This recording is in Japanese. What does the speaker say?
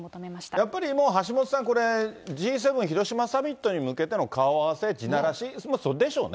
やっぱり、橋下さん、Ｇ７広島サミットに向けての顔合わせ、地ならし、そうでしょうね。